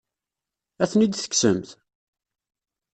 Ad ten-id-tekksemt?